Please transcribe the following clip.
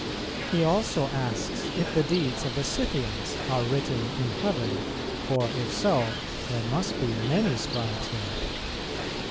He also asks if the deeds of the Scythians are written in heaven; for if so, there must be many scribes there.